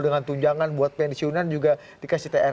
dengan tunjangan buat pensiunan juga dikasih thr